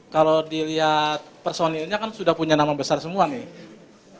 kalau dilihat personilnya kan sudah punya nama besar semua nih